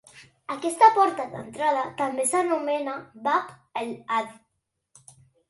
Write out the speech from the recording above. Aquesta porta d'entrada també s'anomena "Bab el'Adb".